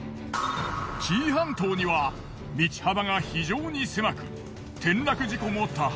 紀伊半島には道幅が非常に狭く転落事故も多発。